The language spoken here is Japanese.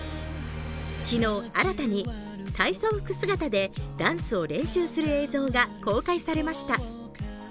昨日、新たに体操服姿でダンスを練習する映像が公開されました。